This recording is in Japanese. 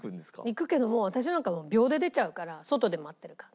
行くけどもう私なんか秒で出ちゃうから外で待ってるから。